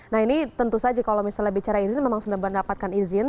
nah ini tentu saja kalau misalnya bicara izin memang sudah mendapatkan izin